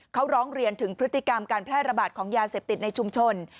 เขาร้องเรียนถึงพฤติกรรมการแพร่ระบาดของยาเสพติดในชุมชน